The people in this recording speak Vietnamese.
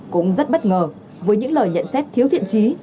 cũng rất bất ngờ với những lời nhận xét thiếu thiện trí